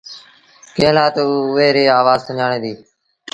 ڪݩهݩ لآ تا او اُئي ريٚ آوآز سُڃآڻي دينٚ۔